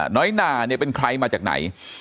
หนาเนี่ยเป็นใครมาจากไหน